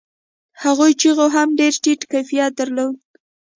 هغو چيغو هم ډېر ټيټ کيفيت درلود.